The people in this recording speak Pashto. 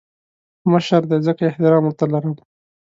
مشر دی ځکه احترام ورته لرم